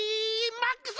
マックス。